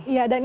iya dan juga